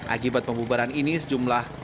akibat pembubaran ini sejumlah